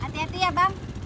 conectin ya enggak kayak abang